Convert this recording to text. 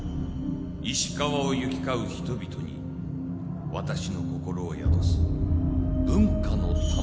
石川を行き交う人々に私の心を宿す「文化の玉」を託そう。